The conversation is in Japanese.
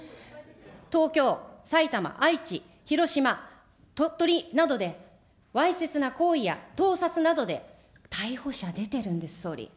東京、埼玉、愛知、広島、鳥取などでわいせつな行為や盗撮などで逮捕者出てるんです、総理。